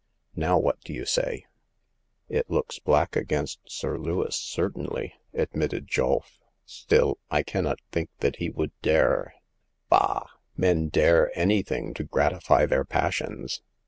Now what do you say ?"It looks black against Sir Lewis, certainly/' admitted Julf ;still, I cannot think that he would dare *'Bah ! men dare anything to gratify their passions